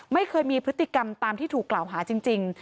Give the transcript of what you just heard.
ไม่เคยมีพฤติกรรมตามที่ถูกกล่าวหาจริง